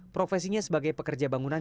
profesinya sebagai pekerja bangunan